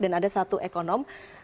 dan ada satu ekonom